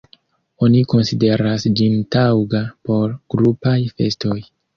Oni konsideras ĝin taŭga por grupaj festoj.